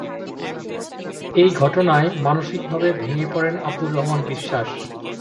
এই ঘটনায় মানসিকভাবে ভেঙ্গে পড়েন আব্দুর রহমান বিশ্বাস।